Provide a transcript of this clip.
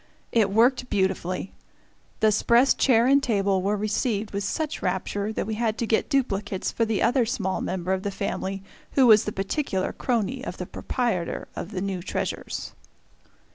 It worked beautifully! The "'spress" chair and table were received with such rapture that we had to get duplicates for the other small member of the family who was the particular crony of the proprietor of the new treasures.